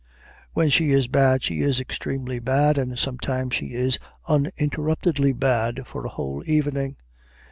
When she is bad she is extremely bad, and sometimes she is interruptedly bad for a whole evening.